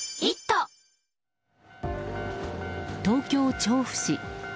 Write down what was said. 東京・調布市。